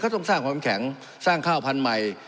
ต้องสร้างความแข็งสร้างข้าวพันธุ์ใหม่